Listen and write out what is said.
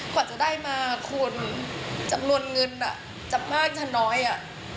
กว่าจะได้มาคุณจำนวนเงินจะมากจะน้อยอ่ะ